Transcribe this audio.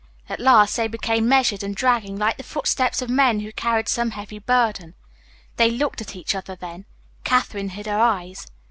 At last they became measured and dragging, like the footsteps of men who carried some heavy burden. They looked at each other then. Katherine hid her eyes.